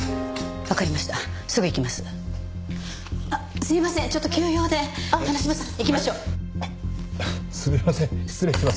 すみません失礼します。